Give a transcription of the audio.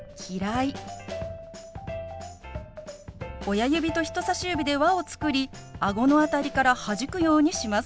親指と人さし指で輪を作りあごの辺りからはじくようにします。